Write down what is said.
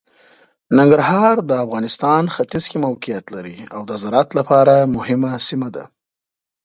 ننګرهار د افغانستان ختیځ کې موقعیت لري او د زراعت لپاره مهمه سیمه ده.